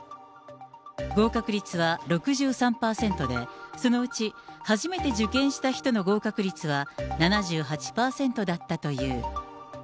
合格率は６３％で、そのうち、初めて受験した人の合格率は７８％だったという。